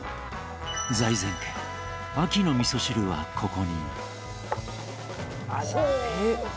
財前家、秋のみそ汁はここに。